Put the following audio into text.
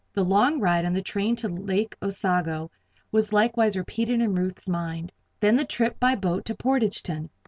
The long ride on the train to Lake Osago was likewise repeated in Ruth's mind; then the trip by boat to Portageton.